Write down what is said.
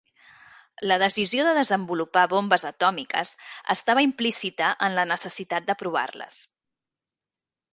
La decisió de desenvolupar bombes atòmiques estava implícita en la necessitat de provar-les.